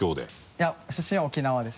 いや出身は沖縄です。